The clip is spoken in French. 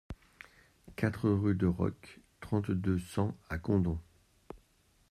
quatre rue de Roques, trente-deux, cent à Condom